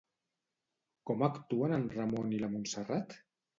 Com actuen en Ramon i la Montserrat?